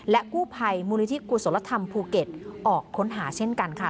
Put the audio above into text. กู้ภัยมูลนิธิกุศลธรรมภูเก็ตออกค้นหาเช่นกันค่ะ